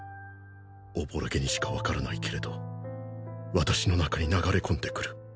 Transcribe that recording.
朧気にしかわからないけれど私の中に流れ込んでくる。